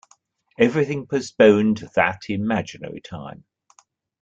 Everything postponed to that imaginary time!